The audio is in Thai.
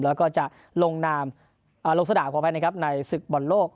แล้วก็จะลงนามอ่าลกษดาของแพทย์นะครับในศึกบ่อนโลก